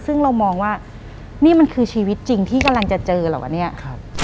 ซึ่งเรามองว่านี่มันคือชีวิตจริงที่กำลังจะเจอเหรอวะเนี่ย